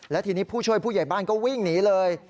และทีนี้ผู้ช่วยผู้ใหญ่บ้านก็วิ่งหนีเลย